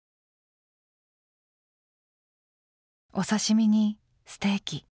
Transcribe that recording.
お刺身にステーキ。